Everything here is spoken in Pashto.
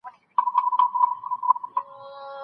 غلام په لوړ غږ خبرې نه کولې.